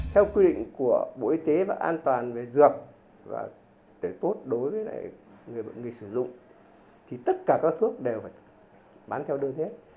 theo quy định của bộ y tế và an toàn về dược và tốt đối với người sử dụng thì tất cả các thuốc đều phải bán theo đơn hết